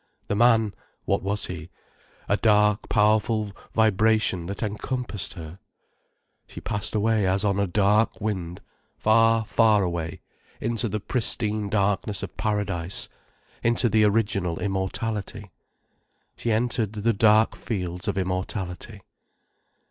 The man, what was he?—a dark, powerful vibration that encompassed her. She passed away as on a dark wind, far, far away, into the pristine darkness of paradise, into the original immortality. She entered the dark fields of immortality.